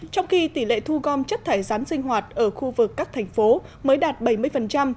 trong khi tỷ lệ thu gom chất thải rán sinh hoạt ở khu vực các thành phố mới đạt bảy mươi